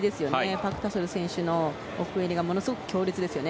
パク・タソル選手の奥襟がものすごく強烈ですよね。